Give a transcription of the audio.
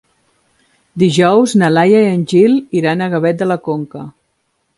Dijous na Laia i en Gil iran a Gavet de la Conca.